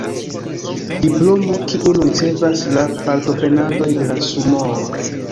Diplomo kiun ricevas la partoprenantoj de la sumoo